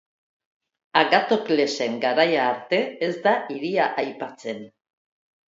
Agatoklesen garaia arte ez da hiria aipatzen.